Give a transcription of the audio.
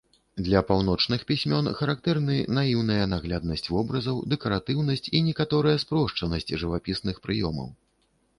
Для паўночных пісьмён характэрны наіўная нагляднасць вобразаў, дэкаратыўнасць і некаторая спрошчанасць жывапісных прыёмаў.